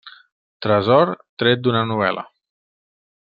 Tresor tret d'una novel·la.